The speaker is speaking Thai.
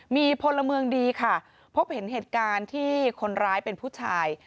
มีพลเมืองดีค่ะพบเห็นเหตุการณ์ที่คนร้ายเป็นผู้ชาย